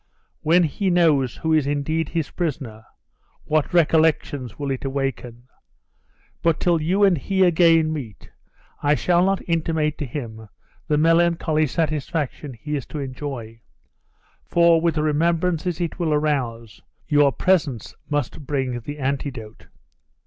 When he knows who is indeed his prisoner, what recollections will it awaken! But till you and he again meet, I shall not intimate to him the melancholy satisfaction he is to enjoy, for, with the remembrances it will arouse, your presence must bring the antidote."